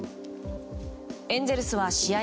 エンゼルスは試合